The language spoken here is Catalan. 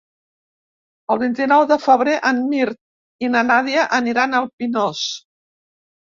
El vint-i-nou de febrer en Mirt i na Nàdia aniran al Pinós.